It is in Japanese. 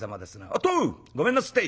「おっとごめんなすって」。